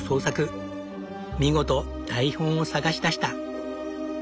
見事台本を探し出した。